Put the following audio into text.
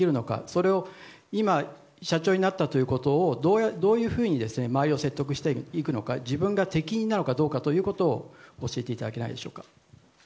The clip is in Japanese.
それを今社長になったということをどういうふうに周りを説得していくのか自分が敵になるのかということを教えていただけないでしょうか。